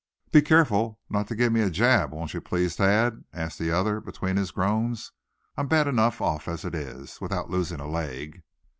"But be careful not to give me a jab, won't you, please, Thad?" asked the other, between his groans. "I'm bad enough off as it is, without losing a leg."